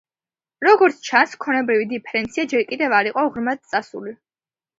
როგორც ჩანს, ქონებრივი დიფერენცია ჯერ კიდევ არ იყო ღრმად წასული.